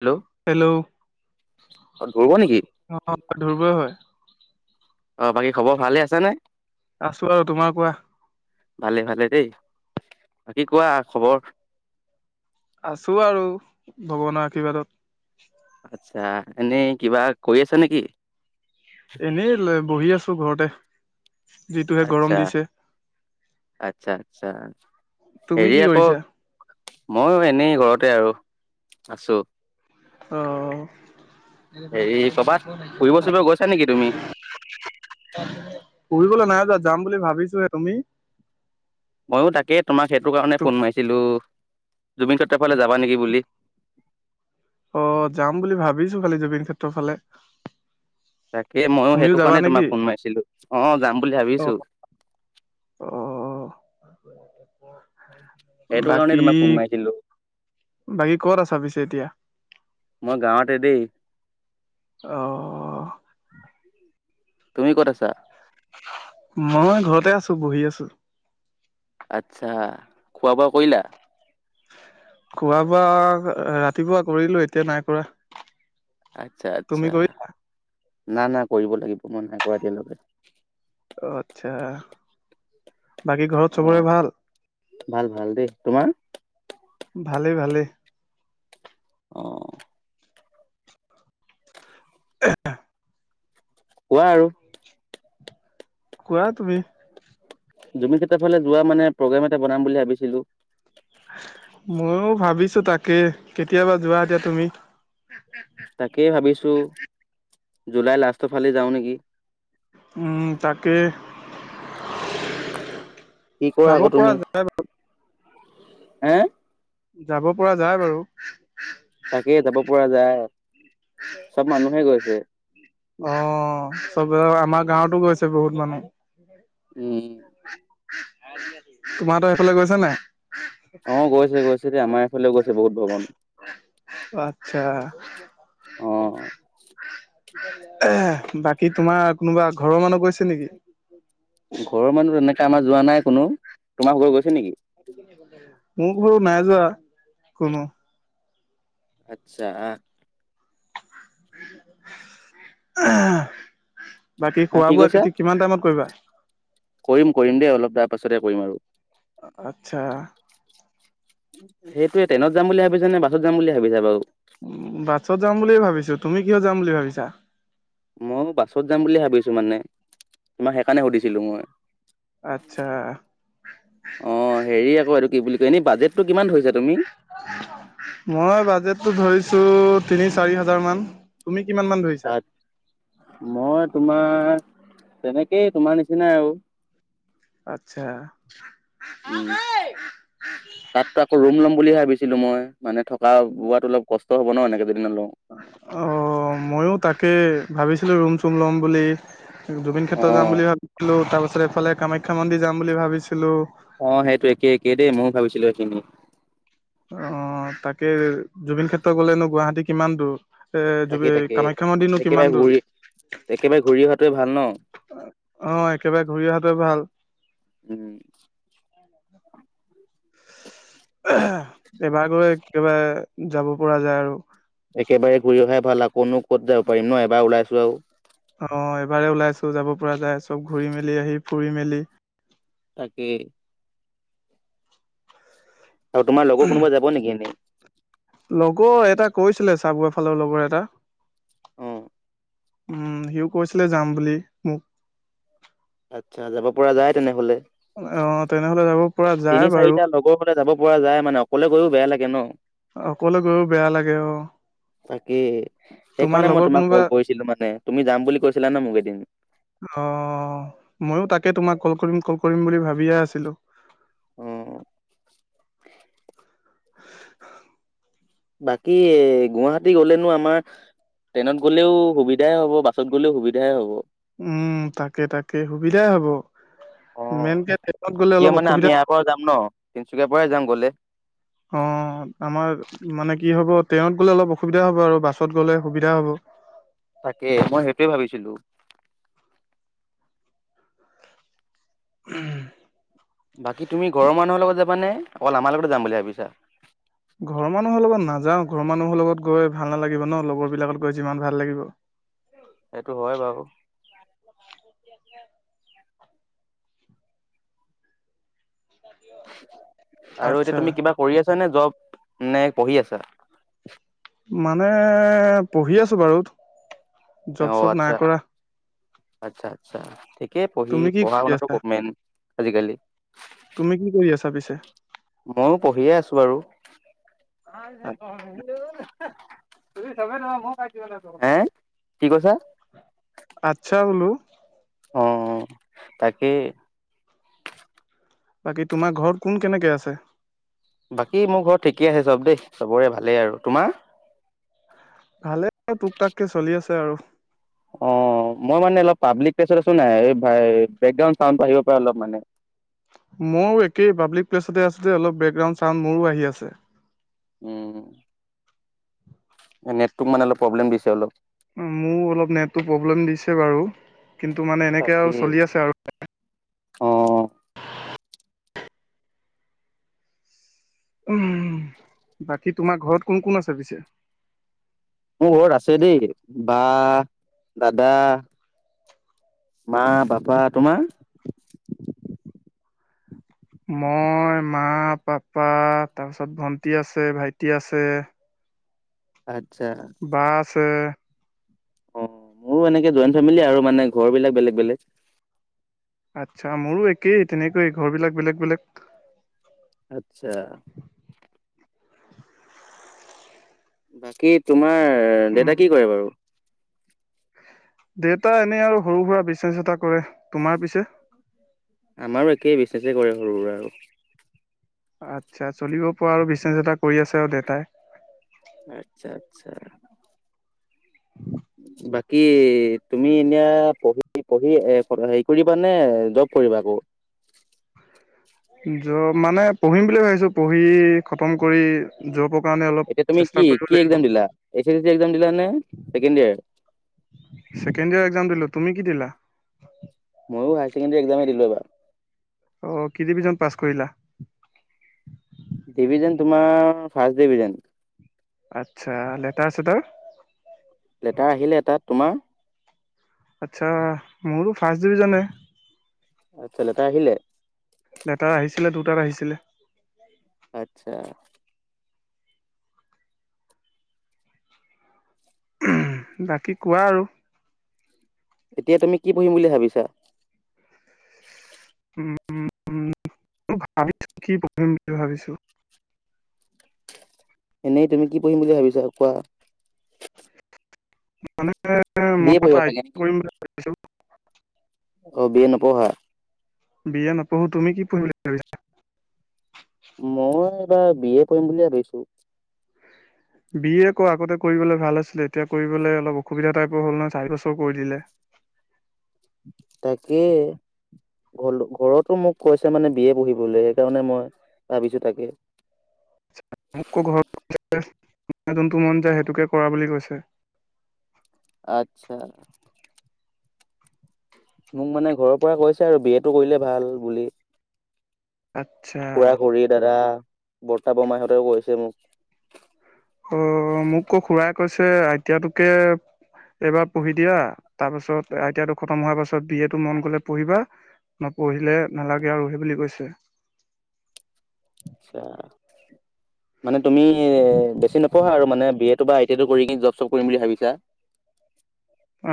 Hello hello, অ ধৰিব নেকি অ' ধ্ৰুৱই হয়। অ বাকী খবৰ ভালে আছে নে আছোঁ আৰু, তোমাৰ কোৱা। ভালে ভালে দেই, বাকী কোৱা খবৰ। আছোঁ আৰু, ভগৱানৰ আশীৰ্বাদত। আচ্ছা, এনেই কিবা কৰি আছা নে কি? এনেই লৈ-বহি আছোঁ ঘৰতে, যিটোহে আচ্ছা গৰম দিছে। আচ্ছা আচ্ছা, তুমি হেৰি কি আকৌ কৰিছা মইয়ো এনেই ঘৰতে আৰু আছোঁ। অ হেৰি, ক'ৰবাত ফুৰিব-চুৰিব গৈছা নেকি তুমি? ফুৰিবলৈ নাই যোৱা, যাম বুলি ভাবিছোঁহে, তুমি? মইয়ো তাকেই তোমাক সেইটোকাৰণেই ফোন মাৰিছিলোঁ, জুবিনক্ষেত্ৰৰ ফালে যাবা নেকি বুলি। অ', যাম বুলি ভাবিছোঁ খালি জুবিন ক্ষেত্ৰৰ ফালে। তাকেই মইয়ো তুমিও সেইটো যাবা কাৰণেই নেকি তোমাক ফোন মাৰিছিলোঁ, অ' যাম বুলি অ ভাবিছোঁ। অ' সেইটো কাৰণেই বাকী তোমাক ফোন মাৰিছিলোঁ। বাকী ক'ত আছা পিছে এতিয়া? মই গাঁৱতে দেই অ'। তুমি ক'ত আছা? মই ঘ'তে আছোঁ, বহি আছোঁ। আচ্ছা। খোৱা বোৱা কৰিলা? খোৱা বোৱা এ, ৰাতিপুৱা কৰিলোঁ এতিয়া নাই কৰা। আচ্ছা তুমি আচ্ছা কৰি না না কৰিব লাগিব, মই নাই কৰা এতিয়ালৈকে। অ', আচ্ছা বাকী ঘৰত অ চবৰে ভাল? ভাল ভাল দেই, তোমাৰ? ভালেই ভালেই। অ'। [inaudible] কোৱা আৰু। কোৱা তুমি জুবিন ক্ষেত্ৰৰ ফালে যোৱা মানে প্ৰগ্ৰেম এটা বনাম বুলি ভাবিছিলোঁ। ময়ো ভাবিছোঁ তাকে কেতিয়াবা যোৱা এতিয়া তুমি? তাকেই ভাবিছোঁ, জুলাই লাষ্ট ফালে যাওঁ নেকি। উম তাকে। কি কৰা যাব আকৌ পৰা তুমি? যায় এ, যাব পৰা যায় বাৰু। তাকে যাব পৰা যায়, চব মানুহে গৈছে। অ', চব [unintelligible] আমাৰ গাঁৱতো গৈছে বহুত মানুহ। উম। [unintelligible] তোমাহ'ত এইফালে গৈছে নাই? অ', গৈছে গৈছে দে আমা এফালেও গৈছে বহুত ভ্ৰমণ। অ', আচ্ছা। অ [unintelligible] বাকী তোমাৰ কোনোবা ঘৰ্ মানুহ গৈছে নেকি? ঘৰৰ মানুহ তেনেকে আমা যোৱা নাই কোনো, তোমাভাগ' গৈছে নিকি? [unintelligible] মো [unintelligible] নাই যোৱা কোনো। আচ্ছা। [unintelligible] বাকী আহ খোৱা কি বোৱা কৈছা কিতি কিমান টাইমত কৰিবা? কৰিম কৰিম দেই অলপ দা পাছতে কৰিম আৰু। অ', আচ্ছা। সেইটোয়ে ট্ৰেইনত যাম বুলি ভাবিছা নে বাছত যাম বুলি ভাবিছা বাও? উ বাছত যাম বুলিয়ে ভাবিছোঁ। তুমি কিহত যাম বুলি ভাবিছা? ময়ো বাছত যাম বুলিয়ে ভাবিছোঁ মানে তোমাক সেইকাৰণে সুধিছিলোঁ মই। আচ্ছা। অ', হেৰি আকৌ এইটো কি বুলি কয় এনে বাজেটটো কিমান ধৰিছা তুমি? মই বাজেটটো ধৰিছো তিনি, চাৰি হাজাৰ মান তুমি কিমান মান ধৰিছা? মই তোমাৰ তেনেকেই তোমাৰ নিচিনাই আৰু। আচ্ছা। উম, তাততো আকৌ ৰুম ল'ম বুলিহে ভাবিছিলোঁ মই মানে থকা বোৱাতো অলপ কষ্ট হ'ব ন এনেকে যদি নলওঁ অ', ময়ো তাকে ভাবিছিলোঁ ৰুম চুম লম বুলি জুবিন অ ক্ষেত্ৰ যাম বুলি ভাবিছিলোঁ তাৰ পিছত এইফালে কামাখ্যা মন্দিৰ যাম বুলি ভাবিছিলোঁ। অ সেইটো একেই একেই দেই মইয়ো ভাবিছিলোঁ সেইখিনি। অ তাকে জুবিন ক্ষেত্ৰ গলেনো গুৱাহাটী কিমান দূৰ। এ তাকে জো তাকে কামাখ্যা মন্দিৰনো একেবাৰে কিমান দূৰ? ঘূৰি একেবাৰে ঘূৰি অহাটোৱে ভাল ন অ একেবাৰে ঘূৰি অহাটো ভাল। উম এবাৰ গৈ একেবাৰে যাব পৰা যায় আৰু। একেবাৰে ঘূৰি অহাই ভাল। আকৌনো ক'ত যাব পাৰিম ন এবাৰ ওলাইছোঁ আৰু। অ এবাৰে ওলাইছোঁ যাব পৰা যায় চব ঘূৰি মেলি আহি ফুৰি মেলি তাকে আৰু তোমাৰ লগৰ কোনোবা যাব নেকি এনেই? লগৰ এটা কৈছিলে চাবুৱা ফালৰ লগৰ এটা। অ উম সিও কৈছিলে যাম বুলি মোক। আচ্ছা যাব পৰা যায় তেনেহলে। অ তেনেহ'লে যাব। পৰা যায় তিনি, বাৰু চাৰিটা লগৰ হলে যাব পৰা যায় মানে অকলে গৈও বেয়া লাগে ন। অকলে গৈও বেয়া লাগে। অ তাকে। তোমাৰ সেইকাৰণে মই লগৰ তোমাক কোনোবা কল কৰিছিলোঁ মানে তুমি যাম বুলি কৈছিলা ন মোক এদিন। অ মইয়ো তাকে তোমাক কল কৰিম কল কৰিম বুলি ভাবিয়ে আছিলোঁ। উম অ বাকী এ গুৱাহাটী গলেনো আমাৰ ট্ৰেইনত গ'লেও সুবিধাই হ'ব বাছত গ'লেও সুবিধাই হ'ব। উম তাকে তাকে সুবিধাই হব। অ মেনকে ট্ৰেইনত গলে কিয় অলপ মানে আমি অসুবিধা ইয়াৰ হ'ব। পৰা যাম ন তিনচুকীয়াৰ পৰাই যাম গ'লে অঁ আমাৰ মানে কি হ'ব ট্ৰেইনত গ'লে অলপ অসুবিধা হ'ব আৰু বাছত গ'লে সুবিধা হ'ব। তাকে মই সেইটোৱে ভাবিছিলোঁ। উম বাকী তুমি ঘৰৰ মানুহৰ লগত যাবানে অকল আমাৰ লগতে যাম বুলি ভাবিছাঁ? ঘৰৰ মানুহৰ লগত নাযাওঁ ঘৰ মানুহৰ লগত গৈ ভাল নালাগিব ন লগৰ বিলাকত গৈ যিমান ভাল লাগিব। সেইটো হয় বাৰু। আছিলে [unintelligible] আৰু এতিয়া আচ্ছা তুমি কিবা কৰি আছা নে জব নে পঢ়ি আছা? মানে পঢ়ি আছোঁ বাৰু অ জব চব আচ্ছা নাই কৰা। আচ্ছা আচ্ছা ঠিকে পঢ়ি তুমি কি পঢ়া কৰি শুনাতো আছা মেইন আজিকালি। তুমি কি কৰি আছা পিছে? মইয়ো পঢ়িয়ে আছোঁ বাৰু। হে কি কৈছাঁ? আচ্ছা বোলোঁ। অ অ তাকেই। বাকী তোমাৰ ঘৰত কোন কেনেকে আছে? বাকী মোৰ ঘৰত ঠিকে আছে চব দেই চবৰে ভালেই আৰু। তোমাৰ? ভালেই আৰু টোক টাককে চলি আছে আৰু। অ, মই মানে অলপ পাব্লিক প্লেছত আছো নাই, এ ভাই এ বেকগ্ৰাউড চাউণ্ড আহিবপৰা অলপ মানে। মইও একেই পাব্লিক প্লেছতে আছো যে অলপ বেকগ্ৰাউণ্ড চাউণ্ড মোৰো আহি আছে। উম। অ নেটটো মানে অলপ প্ৰব্লেম দিছে অলপ। মোৰ অলপ নেটটো প্ৰব্লেম দিছে বাৰু কিন্তু মানে এনেকে তাকে আৰু চলি আছে আৰু। অ। উহম, বাকী তোমাৰ ঘৰত কোন কোন আছে পিছে? মোৰ ঘৰত আছে দেই বা, দাদা মা, পাপা তোমাৰ? মই, মা, পাপা তাৰপিছত ভন্টি আছে, ভাইটি আছে। আচ্ছা। বা‌‌ আছে। অ, মোৰো এনেকে জইণ্ট ফেমিলি আৰু মানে ঘৰবিলাক বেলেগ বেলেগ। আচ্ছা, মোৰো একেই তেনেকয়ে ঘৰবিলাক বেলেগ বেলেগ। আচ্ছা। বাকী তোমাৰ উম দেউতা কি কৰে বাৰু? দেউতা এনেই আৰু সৰু সুৰা বিচনেছ এটা কৰে, তোমাৰ পিছে? আমাৰো একেই বিজনেছে কৰে সৰু সুৰা আৰু। আচ্ছা, চলিব পৰা আৰু বিচনেচ এটা কৰি আছে আৰু দেউতাই। আচ্ছা আচ্ছা। [inaudible] বাকী তুমি এতিয়া পঢ়ি পঢ়ি [unintelligible] হেৰি কৰিবা নে জব কৰিবা আকৌ? জব মানে পঢ়িম বুলিয়ে ভাবিছো, পঢ়ি খতম কৰি জবৰ কাৰণে অলপ এতিয়া তুমি চেষ্টা কি কৰিব কি লাগিব একজাম দিলা H S L C exam দিলা নে second year? Second year exam দিলো, তুমি কি দিলা? মইও হাই চেকেণ্ডেৰী একজামে দিলো এবাৰ। অ কি ডিভিজন পাছ কৰিলা? ডিভিজন তোমাৰ ফাৰ্ষ্ট ডিভিজন। আচ্ছা, লেতাৰ - ছেতাৰ? লেটাৰ আহিলে এটা, তোমাৰ? আচ্ছা, মোৰো ফাৰ্ষ্ট ডিভিজনে। আচ্ছা, লেটাৰ আহিলে? লেটাৰ আহিছিলে দুটাৰ আহিছিলে। আচ্ছা। উহ, বাকী কোৱা আৰু? এতিয়া তুমি কি পঢ়িম বুলি ভাবিছা? উম উম [unintelligible] ভাবিছো কি পঢ়িম বুলি ভাবিছো? এনেই তুমি কি পঢ়িম বুলি ভাবিছা কোৱা? বি এ পঢ়িবা চাগে নেকি? অ বি এ নপঢ়া [unintelligible] বি এ নপঢ়ো তুমি কি পঢ়িম বুলি ভাবিছা? মই এইবাৰ বি এ কৰিম বুলি ভাবিছো। বি এ ক আগতে কৰিবলৈ ভাল আছিলে এতিয়া কৰিবলৈ অলপ অসুবিধা টাইপৰ হ'ল নহয় চাৰি বছৰ কৰি দিলে। তাকে। [unintelligible] ঘৰতো মোক কৈছে মানে বি এ পঢ়িবলৈ সেইকাৰণে মই ভাবিছো তাকে। [unintelligible] যোনটো মন যায় সেইটোকে কৰা বুলি কৈছে। আচ্ছা। মোক মানে ঘৰৰ পৰা কৈছে আৰু বি এ টো কৰিলে ভাল বুলি। আচ্ছা। খুৰা, খুৰী, দাদা, বৰ্তা, বৰমাহঁতেও কৈছে মোক। অ', মোকো খুৰাই কৈছে আই টি আই তোকে- এইবাৰ পঢ়ি দিয়া, তাৰ পাছত আই টি আই তো খতম হোৱাৰ পাছত বি এ টো খতম হ'লে মন গ'লে পঢ়িবা। নপঢ়িলে নালাগে আৰু সেই বুলি কৈছে। আচ্ছা' মানে তুমি বেছি নপঢ়া আৰু মানে বি এ- টো বা আই টি আই টো কৰি কিনি জব-চব কৰিম ভাবিছা।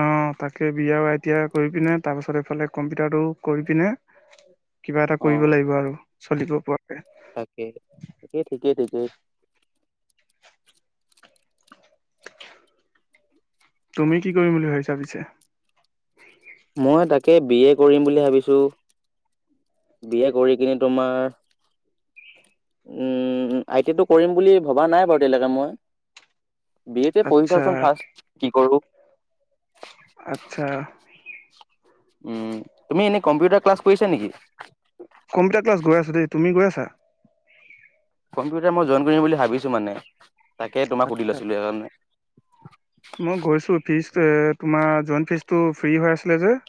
অঁ', -তাকে, বি এ আৰু আই টি আই টো কৰি পিনে তাৰপিছত এইফালে কম্পিউটাৰটো কৰি পিনে- কিবা এটা অ কৰিব লাগিব আৰু চলিব পৰাকে। তাকে, ঠিকেই-ঠিকেই। তুমি কি কৰিম বুলি ভাবিছা পিছে? মই তাকে বি এ কৰিম বুলি ভাবিছোঁ। বি এ কৰি কিনে তোমাৰ- আই টি আই টো কৰিম বুলি ভবা নাই বাৰু এতিয়ালৈকে মই। বি এ টো পঢ়ি আচ্ছা, চাওঁ চোন ফাৰ্ষ্ট কি কৰো। আচ্ছা। উমঁ, তুমি এনেই কম্পিউটাৰ ক্লাছ কৰিছা নেকি? কম্পিউটাৰ ক্লাছ গৈ আছো দেই। তুমি গৈছা? কম্পিউটাৰ মই জইণ্ট কৰিম বুলি ভাবিছো মানে, তাকে তোমাক সুধি আচ্ছা, লৈছিলো সেইকাৰণে। মই গৈছো ফ্ৰীজটো এ তোমাৰ জইণ্ট ফ্ৰীজটো হৈ আছিলে যে।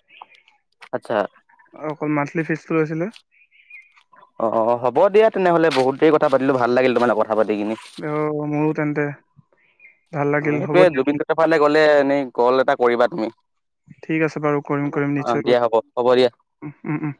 আচ্ছা। অকল মান্থলি ফ্ৰীজটো লৈছিলে। অ', -অ', -অহ', হ'ব দিয়া তেনেহ'লে, বহুত দেৰি কথা পাতিলো ভাল লাগিল তোমাৰ লগত কথা পাতি কিনি। অ', -মোৰো তেন্তে ভাল অঁ', লাগিল হ'ব -সেইটোয়ে, দিয়া। জুবিন ক্ষেত্ৰৰ ফালে গ'লে এনেই কল এটা কৰিবা তুমি। ঠিক আছে অঁ', -দিয়া হ'ব, হ'ব দিয়া। উম-উম-উম।